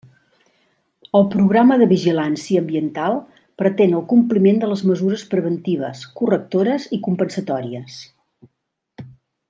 El programa de vigilància ambiental pretén el compliment de les mesures preventives, correctores i compensatòries.